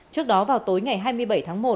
trước đó vào tối ngày hai mươi bảy tháng một